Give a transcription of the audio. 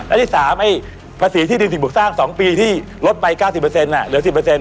อันที่๓ภาษีที่ดินสิ่งบุกสร้าง๒ปีที่ลดไป๙๐อ่ะเดี๋ยว๑๐